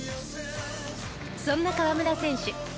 そんな河村選手